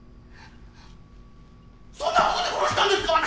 そんなことで殺したんですか私！？